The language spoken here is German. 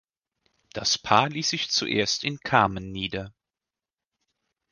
Das Paar ließ sich zuerst in Carmen nieder.